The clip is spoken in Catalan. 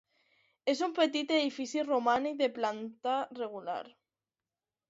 És un petit edifici romànic de planta rectangular.